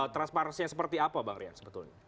transparansinya seperti apa bang rian sebetulnya